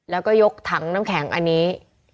แล้วก็ยกถังน้ำแข็งอันนี้